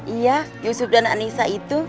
iya yusuf dan anissa itu